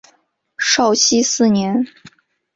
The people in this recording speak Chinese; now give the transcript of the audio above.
绍熙四年。